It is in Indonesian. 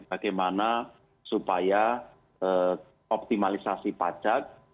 bagaimana supaya optimalisasi pajak